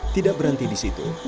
tidak berhenti di situ